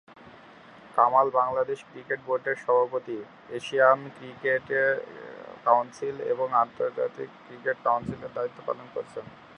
Kamal Bangladesh cricket বোর্ডের সভাপতি, Asian cricket council এবং আন্তর্জাতিক ক্রিকেট কাউন্সিলের দায়িত্ব পালন করেছেন।